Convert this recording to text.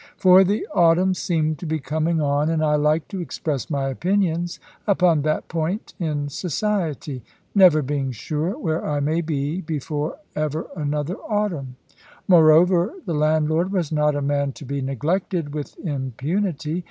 For the autumn seemed to be coming on, and I like to express my opinions upon that point in society; never being sure where I may be before ever another autumn. Moreover, the landlord was not a man to be neglected with impunity.